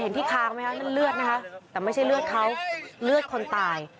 ที่คางไหมคะนั่นเลือดนะคะแต่ไม่ใช่เลือดเขาเลือดคนตาย